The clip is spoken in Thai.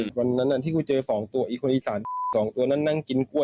วันนั้นที่กูเจอ๒ตัวอีกคนอีสาน๒ตัวนั้นนั่งกินกล้วย